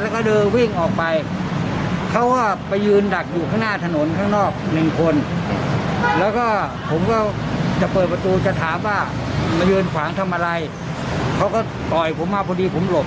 แล้วอีกคนหนึ่งขับ